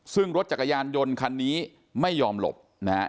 ซึ่งรถจักรยานยนต์คันนี้ไม่ยอมหลบนะฮะ